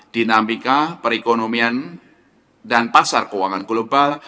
dinamika perekonomian dan pasar keuangan global